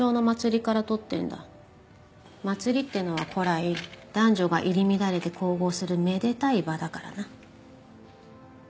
祭りってのは古来男女が入り乱れて交合するめでたい場だからな。